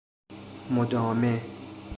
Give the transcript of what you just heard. مدامه